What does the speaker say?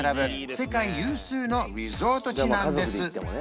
世界有数のリゾート地なんです